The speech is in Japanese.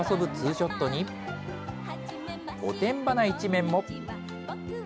ショットに、おてんばな一面も。